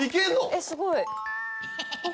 えっすごい。